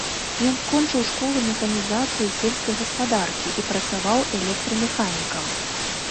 Ён скончыў школу механізацыі сельскай гаспадаркі і працаваў электрамеханікам.